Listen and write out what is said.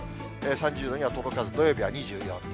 ３０度には届かず、土曜日は２４度。